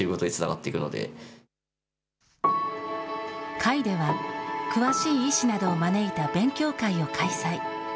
会では、詳しい医師などを招いた勉強会を開催。